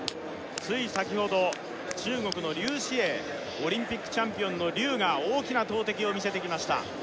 つい先ほど中国の劉詩穎オリンピックチャンピオンの劉が大きな投てきを見せてきました